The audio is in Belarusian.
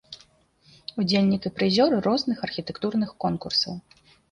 Удзельнік і прызёр розных архітэктурных конкурсаў.